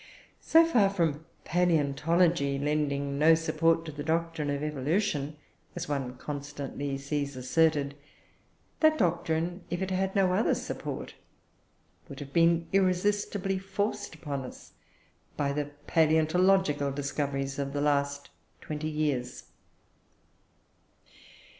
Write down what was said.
So far from palaeontology lending no support to the doctrine of evolution as one sees constantly asserted that doctrine, if it had no other support, would have been irresistibly forced upon us by the palaeontological discoveries of the last twenty years.